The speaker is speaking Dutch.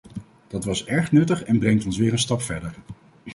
Dat was erg nuttig en brengt ons weer een stap verder.